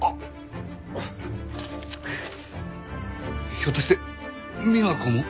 ひょっとして美和子も？